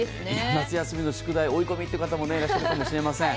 夏休み宿題、追い込みという方もいるかもしれません。